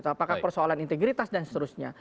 apakah persoalan integritas dan seterusnya